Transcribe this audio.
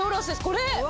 これ。